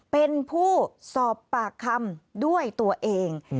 เป็นผู้สอบปากคำด้วยตัวเอง